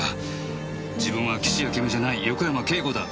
自分は岸あけみじゃない横山慶子だ。